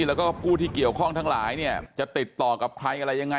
แล้วก็ผู้ที่เกี่ยวข้องทั้งหลายเนี่ยจะติดต่อกับใครอะไรยังไง